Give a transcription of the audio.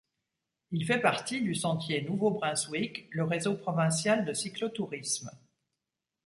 Il fait partie du sentier Nouveau-Brunswick, le réseau provincial de cyclotourisme.